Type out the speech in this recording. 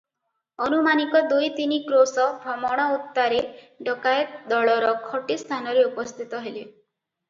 ଅନୁମାନିକ ଦୁଇ ତିନି କ୍ରୋଶ ଭ୍ରମଣ ଉତ୍ତାରେ ଡକାଏତ ଦଳର ଖଟି ସ୍ଥାନରେ ଉପସ୍ଥିତ ହେଲେ ।